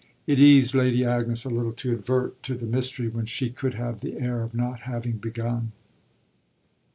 It eased Lady Agnes a little to advert to the mystery when she could have the air of not having begun.